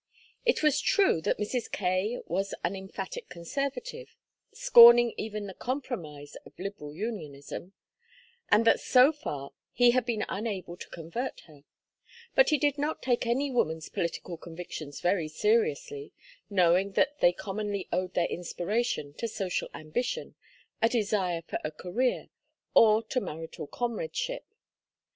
It was true that Mrs. Kaye was an emphatic Conservative scorning even the compromise of Liberal Unionism and that so far he had been unable to convert her; but he did not take any woman's political convictions very seriously, knowing that they commonly owed their inspiration to social ambition, a desire for a career, or to marital comradeship.